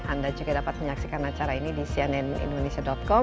anda juga dapat menyaksikan acara ini di cnnindonesia com